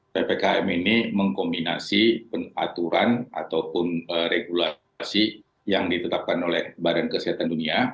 ppkm ini mengkombinasi aturan ataupun regulasi yang ditetapkan oleh badan kesehatan dunia